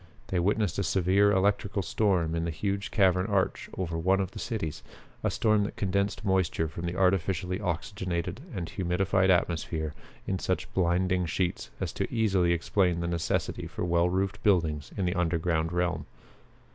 They witnessed a severe electrical storm in the huge cavern arch over one of the cities, a storm that condensed moisture from the artificially oxygenated and humidified atmosphere in such blinding sheets as to easily explain the necessity for well roofed buildings in the underground realm.